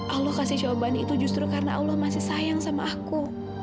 allah kasih jawaban itu justru karena allah masih sayang sama aku